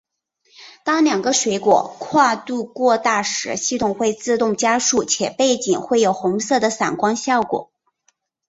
当两个水果跨度过大时系统会自动加速且背景会有红色的闪光效果。